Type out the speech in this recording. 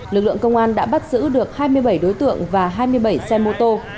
lực lượng công an đã bắt giữ được hai mươi bảy đối tượng và hai mươi bảy xe mô tô